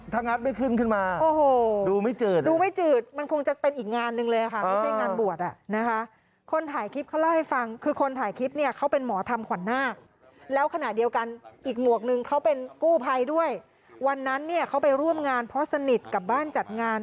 ถ้างัดไม่ขึ้นขึ้นมาดูไม่จืด